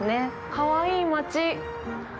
かわいい街！